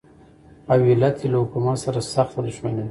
او علت یې له حکومت سره سخته دښمني ده.